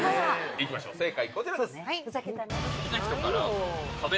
いきましょう正解こちらです。